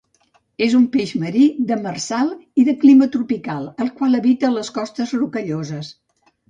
És un peix marí, demersal i de clima tropical, el qual habita les costes rocalloses.